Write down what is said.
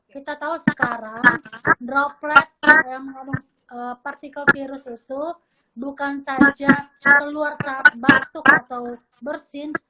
kita tahu sekarang droplet yang mengandung partikel virus itu bukan saja keluar saat batuk atau bersin